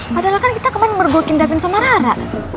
padahal kan kita kemarin mergoke in daven sama rara